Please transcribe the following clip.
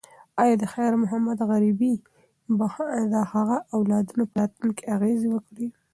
ایا د خیر محمد غریبي به د هغه د اولادونو په راتلونکي اغیز وکړي؟